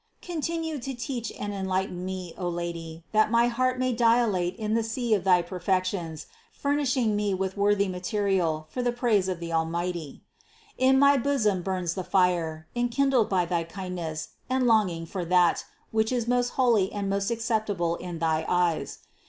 Continue to teach me and enlighten me, O Lady, that my heart may dilate in the sea of thy perfections, furnishing me with worthy material for the praise of the Almighty. In my bosom burns the fire, enkindled by thy kindness and longing for that, which is most holy and most acceptable to thy eyes.